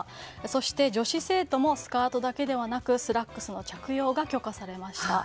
そして、女子生徒もスカートだけではなくスラックスの着用が許可されました。